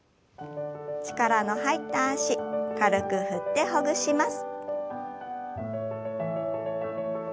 力の入った脚軽く振ってほぐします。